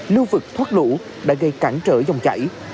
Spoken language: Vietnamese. lưu vực thoát lũ đã gây cản trở dòng chảy